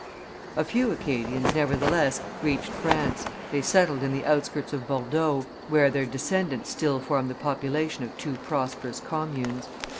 A few Acadians, nevertheless, reached France; they settled in the outskirts of Bordeaux, where their descendants still form the population of two prosperous communes.